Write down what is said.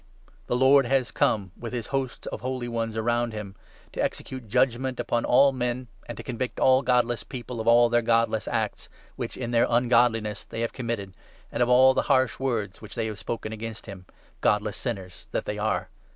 the Lord has come with his hosts of holy ones around him, to execute judgement upon all 15 men, and to convict all godless people of all their godless acts, which in their ungodliness they have committed, and of all the harsh words which they have spoken against him, godless sinners that they are